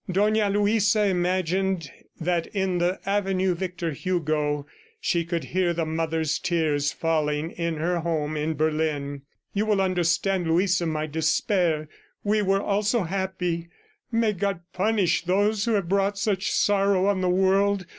Dona Luisa imagined that in the avenue Victor Hugo, she could hear the mother's tears falling in her home in Berlin. "You will understand, Luisa, my despair. ... We were all so happy! May God punish those who have brought such sorrow on the world!